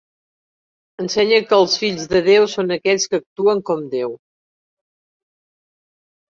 Ensenya que els fills de Déu són aquells que actuen com Déu.